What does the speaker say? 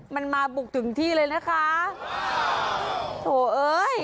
มันมาบุกถึงที่เลยนะคะโถเอ้ย